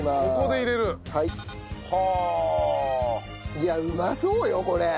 いやうまそうよこれ。